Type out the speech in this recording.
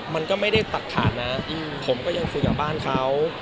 มันก็ไม่ได้ตัดขาดนะเหมือนผมก็ยังฟูกับบ้านเขา